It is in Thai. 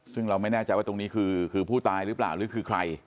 ซึ่งเราไม่แน่ใจว่าตรงนี้คือผู้ตายหรือเปล่าหรือคือใคร